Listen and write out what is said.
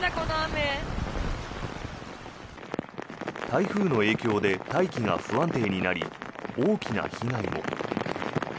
台風の影響で大気が不安定になり大きな被害も。